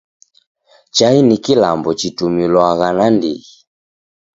Chai ni kilambo chitumilwagha nandighi.